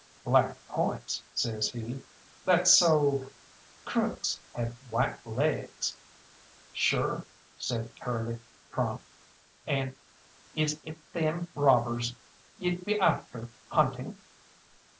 "Black points," says he. "That's so Crook's had white laigs." "Shure," says Curly, prompt, "an' is it thim robbers ye'd be afther hunting?"